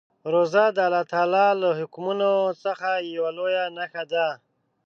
روژه د الله له حکمونو څخه یوه لویه نښه ده.